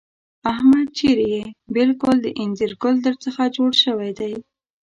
احمده! چېرې يې؟ بالکل د اينځر ګل در څخه جوړ شوی دی.